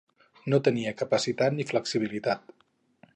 No tenia capacitat ni flexibilitat.